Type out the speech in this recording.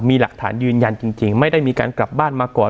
มีหลักฐานยืนยันจริงไม่ได้มีการกลับบ้านมาก่อน